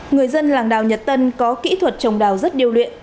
người dân làng đào nhật tân có kỹ thuật trồng đào rất điêu luyện